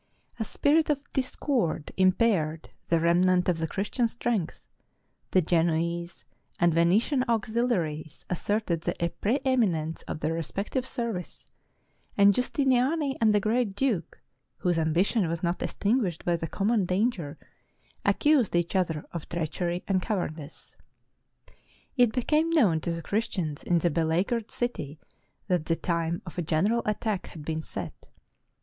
A spirit of discord impaired the remnant of the Christian strength ; the Genoese and 482 THE FALL OF CONSTANTINOPLE Venetian auxiliaries asserted the preeminence of their respective service; and Justiniani and the great duke, whose ambition was not extinguished by the common danger, accused each other of treachery and cowardice. [It became known to the Christians in the beleaguered city that the time for a general attack had been set.